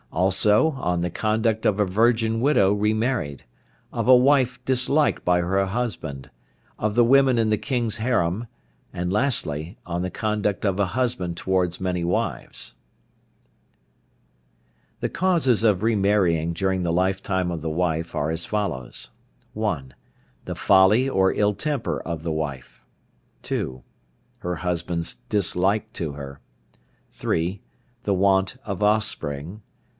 ALSO ON THE CONDUCT OF A VIRGIN WIDOW RE MARRIED; OF A WIFE DISLIKED BY HER HUSBAND; OF THE WOMEN IN THE KING'S HAREM; AND LASTLY ON THE CONDUCT OF A HUSBAND TOWARDS MANY WIVES. The causes of re marrying during the lifetime of the wife are as follows: (1). The folly or ill temper of the wife. (2). Her husband's dislike to her. (3). The want of offspring.